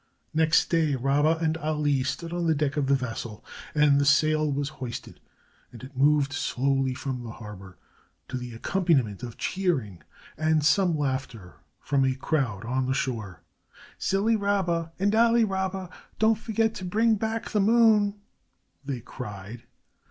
Next day Rabba and Ali stood on the deck of the vessel as the sail was hoisted, and it moved slowly from the harbor to the accompaniment of cheering and some laughter from a crowd on shore. "Silly Rabba and Ali Rabba, don't forget to bring back the moon," they cried.